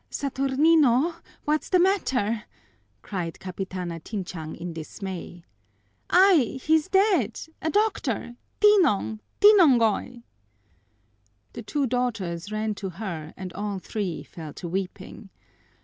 "Saturnino, what's the matter?" cried Capitana Tinchang in dismay. "Ay, he's dead! A doctor! Tinong, Tinongoy!" The two daughters ran to her, and all three fell to weeping.